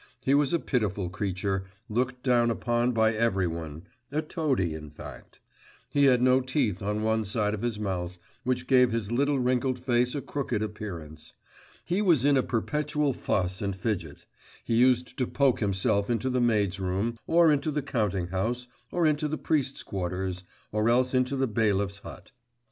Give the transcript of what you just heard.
He was a pitiful creature, looked down upon by every one; a toady, in fact. He had no teeth on one side of his mouth, which gave his little wrinkled face a crooked appearance. He was in a perpetual fuss and fidget; he used to poke himself into the maids' room, or into the counting house, or into the priest's quarters, or else into the bailiff's hut.